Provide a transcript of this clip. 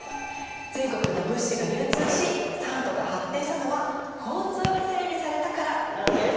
全国の物資が流通し三都が発展したのは交通が整備されたからなんです。